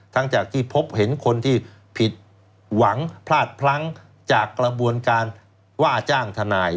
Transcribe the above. จากที่พบเห็นคนที่ผิดหวังพลาดพลั้งจากกระบวนการว่าจ้างทนาย